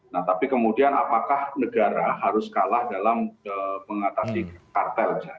nah tapi kemudian apakah negara harus kalah dalam mengatasi kartel